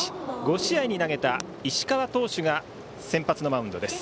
５試合に投げた石川投手が先発のマウンドです。